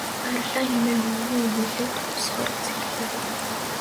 Баярлалаа хэмээн хөвгүүн өгүүлээд босохоор зэхлээ.